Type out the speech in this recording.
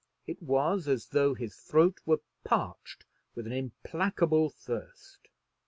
It was as though his throat were parched with an implacable thirst.